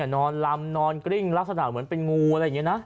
นอนลำนอนกริ้งลักษณะเหมือนเป็นงูอะไรอย่างนี้นะ